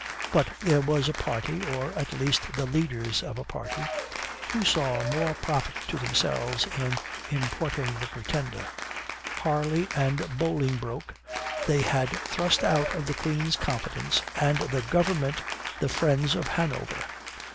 But there was a party, or at least the leaders of a party, who saw more profit to themselves in importing the Pretender. Harley and Bolingbroke, they had thrust out of the Queen's confidence and the government the friends of Hanover.